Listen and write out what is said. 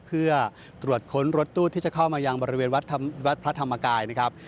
เพื่อตรวจค้นรถตู้ที่จะเข้ามายังบริเวณวัดพระธรรมกายนะครับ